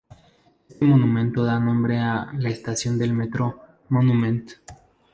Este monumento da nombre a la Estación de Metro Monument.